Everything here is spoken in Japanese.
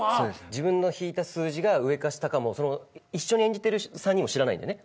自分の引いた数字が上か下かも一緒に演じてる３人も知らないんだよね。